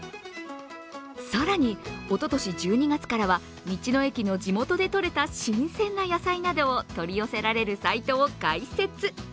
更に、おととし１２月からは道の駅の地元で取れた新鮮な野菜などを取り寄せられるサイトを開設。